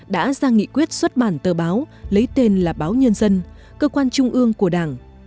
đã ra nghị quyết xuất bản tờ báo lấy tên là báo nhân dân cơ quan trung ương của đảng